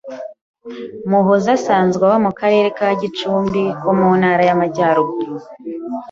Muhoza asanzwe aba mu karere ka Gicumbi ko mu Ntara y’Amajyaruguru